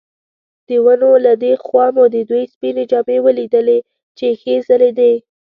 د ونو له دې خوا مو د دوی سپینې جامې ولیدلې چې ښې ځلېدې.